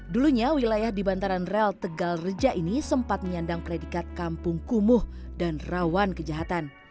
dulunya wilayah di bantaran rel tegal reja ini sempat menyandang predikat kampung kumuh dan rawan kejahatan